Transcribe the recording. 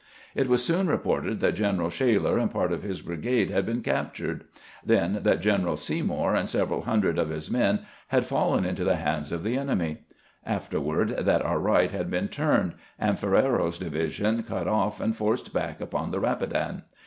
It was soon reported that General Shaler and part of his brigade had been captured ; then that General Seymour and several hundred of his men had fallen into the hands of the enemy ; afterward that our right had been turned, and Ferrero's division cut off and forced back upon the Eapidan.